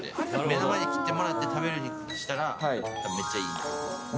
生で切ってもらって食べるにしたら、めっちゃいいなと。